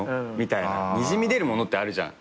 にじみ出るものってあるじゃん。